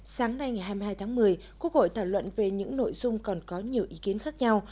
sáng nay ngày hai mươi hai tháng một mươi quốc hội thảo luận về những nội dung còn có nhiều ý kiến khác nhau